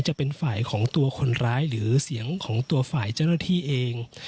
จะเป็นฝ่ายของตัวคนร้ายหรือเสียงของตัวฝ่ายเจ้าหน้าที่เอง